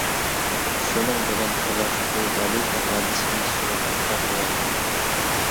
شۇنىڭ بىلەن، ئۇلار بۇ غەلىتە ھادىسىنى سۈرەتكە تارتىۋالغان.